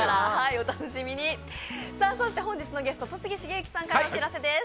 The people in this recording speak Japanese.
そして本日のゲスト戸次重幸さんからお知らせです。